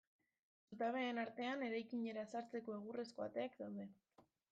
Zutabeen artean eraikinera sartzeko egurrezko ateak daude.